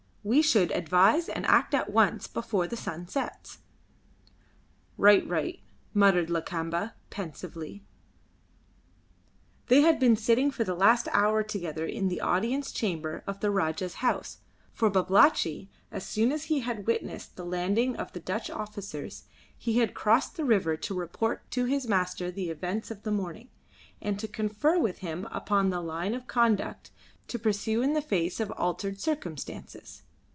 We should advise and act at once, before the sun sets." "Right. Right," muttered Lakamba, pensively. They had been sitting for the last hour together in the audience chamber of the Rajah's house, for Babalatchi, as soon as he had witnessed the landing of the Dutch officers, had crossed the river to report to his master the events of the morning, and to confer with him upon the line of conduct to pursue in the face of altered circumstances.